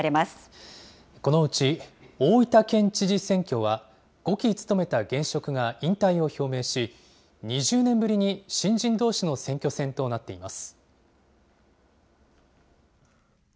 このうち、大分県知事選挙は５期務めた現職が引退を表明し、２０年ぶりに新人どうしの選挙戦となっています。